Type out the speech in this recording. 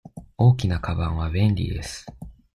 大きなかばんは便利です。